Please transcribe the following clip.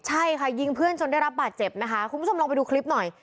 ใช่ค่ะยิงเพื่อนจนได้รับบาดเจ็บนะคะคุณผู้ชมลองไปดูคลิปหน่อย